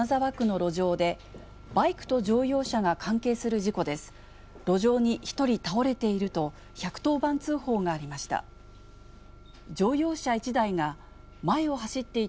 路上に１人倒れていると１１０番通報がありました。